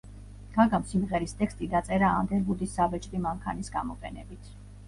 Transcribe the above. გაგამ სიმღერის ტექსტი დაწერა ანდერვუდის საბეჭდი მანქანის გამოყენებით.